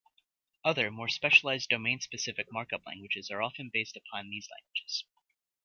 Other, more specialized domain-specific markup languages are often based upon these languages.